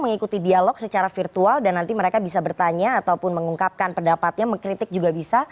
mengikuti dialog secara virtual dan nanti mereka bisa bertanya ataupun mengungkapkan pendapatnya mengkritik juga bisa